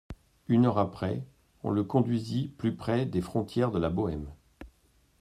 Une heure après, on le conduisit plus près des frontières de la Bohême.